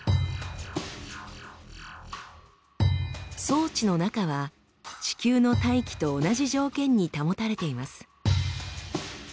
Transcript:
装置の中は地球の大気と同じ条件に保たれています。